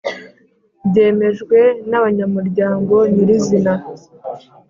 Byemejwe na banyamuryango nyirizina.